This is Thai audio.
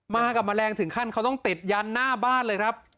มากับแมลงถึงขั้นเขาต้องติดยันหน้าบ้านเลยครับ